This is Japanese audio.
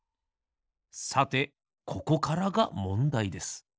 さてここからがもんだいです。